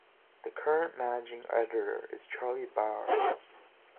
The current managing editor is Charlie Bahr.